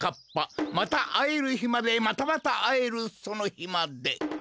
またあえるひまでまたまたあえるそのひまで。